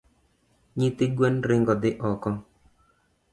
Nyithi guen ringo dhi oko